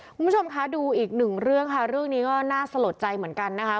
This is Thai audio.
คุณผู้ชมคะดูอีกหนึ่งเรื่องค่ะเรื่องนี้ก็น่าสลดใจเหมือนกันนะคะ